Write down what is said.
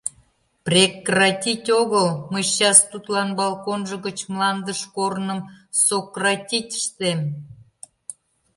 Прекр-ратить огыл, мый счас тудлан балконжо гыч мландыш корным сокр-ратить ыштем!